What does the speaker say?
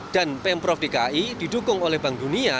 dan pemprov dki didukung oleh bank dunia